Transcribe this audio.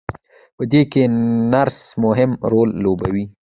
په دې کې نرس مهم رول لوبوي.